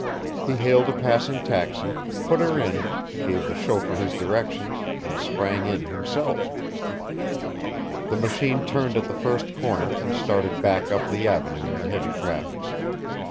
He hailed a passing taxi, put her in, gave the chauffeur his directions, and sprang in himself. The machine turned at the first corner and started back up the Avenue in the heavy traffic.